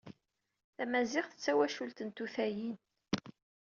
Tamaziɣt d tawacult n tutayin.